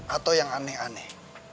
atau yang aneh aneh